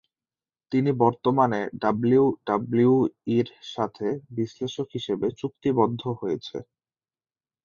তিনি বর্তমানে ডাব্লিউডাব্লিউইর সাথে বিশ্লেষক হিসেবে চুক্তিবদ্ধ হয়েছে।